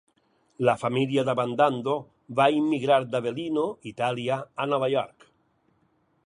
La família d'Abbandando va immigrar d'Avellino, Itàlia, a Nova York.